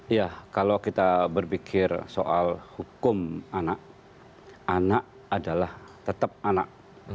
iya kalau kita berpikir soal hukum anak anak adalah tetap anak